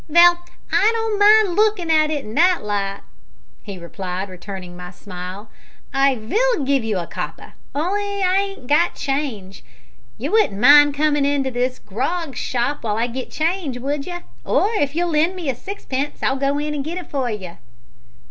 "Vell, I don't mind lookin' at it in that light," he replied, returning my smile. "I vill give you a copper, on'y I hain't got change. You wouldn't mind comin' into this 'ere grog shop while I git change, would you? Or if you'll lend me a sixpence I'll go in and git it for you."